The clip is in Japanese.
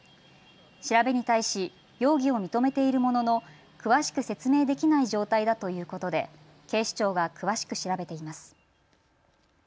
調べに対し容疑を認めているものの詳しく説明できない状態だということで警視庁が詳しく調べています。